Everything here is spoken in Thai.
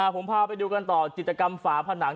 ผมพาไปดูกันต่อจิตกรรมฝาผนัง